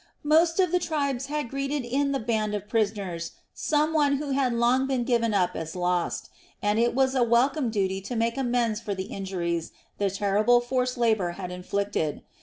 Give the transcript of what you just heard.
Most of the tribes had greeted in the band of prisoners some one who had long been given up as lost, and it was a welcome duty to make amends for the injuries the terrible forced labor had inflicted.